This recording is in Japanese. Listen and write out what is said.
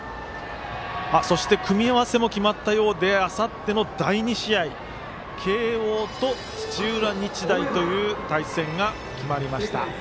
そして、組み合わせも決まったようであさって、第２試合慶応と土浦日大という対戦が決まりました。